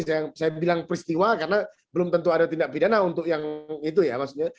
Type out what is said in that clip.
saya bilang peristiwa karena belum tentu ada tindak pidana untuk yang itu ya maksudnya